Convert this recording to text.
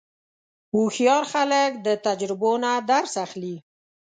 هوښیار خلک د تجربو نه درس اخلي.